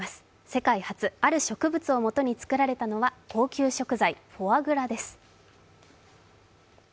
世界初、ある植物をもとに作られたのは高級食材・フォアグラです。